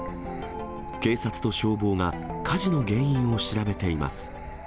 警察と消防が火事の原因を調べています。